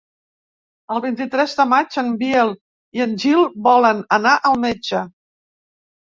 El vint-i-tres de maig en Biel i en Gil volen anar al metge.